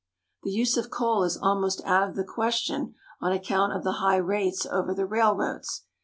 The use of coal is almost out of the question on account of the high rates over the railroads.